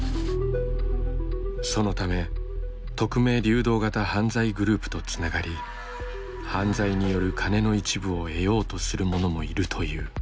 そのため匿名・流動型犯罪グループとつながり犯罪によるカネの一部を得ようとする者もいるという。